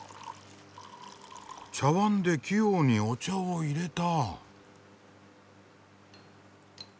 茶わんで器用にお茶をいれた。